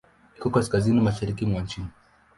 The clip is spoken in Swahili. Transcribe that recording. Iko kaskazini-mashariki mwa nchi.